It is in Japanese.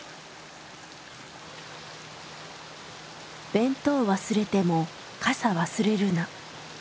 「弁当忘れても傘忘れるな」。